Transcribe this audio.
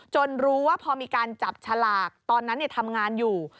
รู้ว่าพอมีการจับฉลากตอนนั้นทำงานอยู่